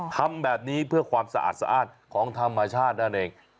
ทำแบบนี้เพื่อความสะอาดสะอ้านของธรรมชาตินั่นเอง